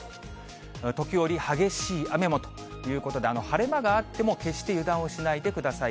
時折、激しい雨もということで、晴れ間があっても、決して油断をしないでください。